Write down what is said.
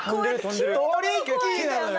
トリッキーなのよ。